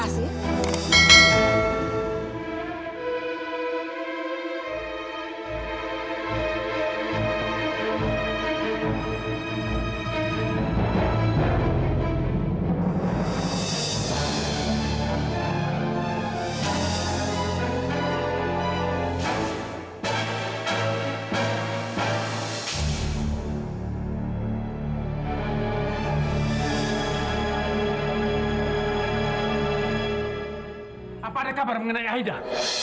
apa ada kabar mengenai aida